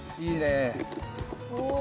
いいね。